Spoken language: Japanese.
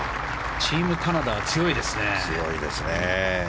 チームカナダは強いですね。